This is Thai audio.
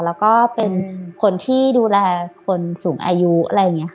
แล้วก็เป็นคนที่ดูแลคนสูงอายุอะไรอย่างนี้ค่ะ